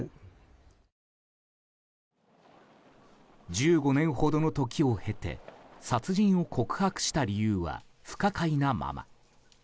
１５年ほどの時を経て、殺人を告白した理由は不可解なまま。